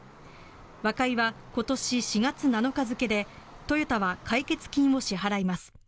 和解は今年４月７日付でトヨタは解決金を支払います。